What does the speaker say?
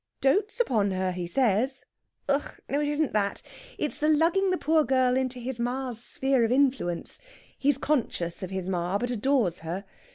"Dotes upon her, he says. Ug g h! No, it isn't that. It's the lugging the poor girl into his ma's sphere of influence. He's conscious of his ma, but adores her.